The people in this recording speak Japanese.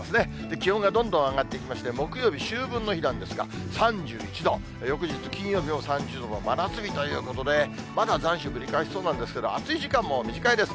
気温がどんどん上がっていきまして、木曜日、秋分の日なんですが、３１度、翌日金曜日も３０度の真夏日ということで、また残暑ぶり返しそうなんですけれども、暑い時間も短いです。